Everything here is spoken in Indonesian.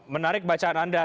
menarik bacaan anda